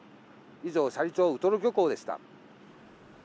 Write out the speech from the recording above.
以上、斜里町のウトロ漁港でした。